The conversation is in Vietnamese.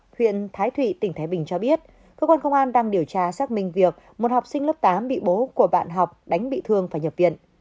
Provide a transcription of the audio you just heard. huyện thái thụy tỉnh thái bình cho biết cơ quan công an đang điều tra xác minh việc một học sinh lớp tám bị bố của bạn học đánh bị thương phải nhập viện